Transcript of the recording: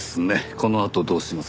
このあとどうします？